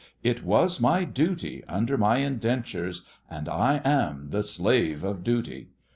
It was my duty under my indentures, and I am the slave of duty.